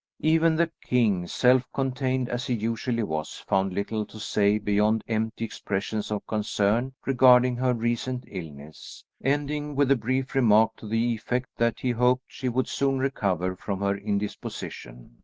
Even the king, self contained as he usually was, found little to say beyond empty expressions of concern regarding her recent illness, ending with a brief remark to the effect that he hoped she would soon recover from her indisposition.